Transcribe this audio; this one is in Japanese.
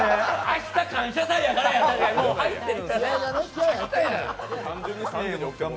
明日、「感謝祭」やから。